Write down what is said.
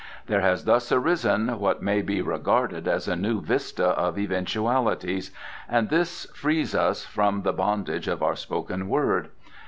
There has thus arisen what may be regarded as a new vista of eventualities, and this frees us from the bondage of our spoken word.